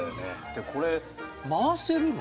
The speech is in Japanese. でこれ回せるの？